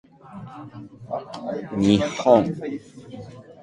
日本語